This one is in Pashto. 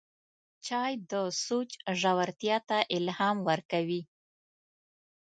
چای د سوچ ژورتیا ته الهام ورکوي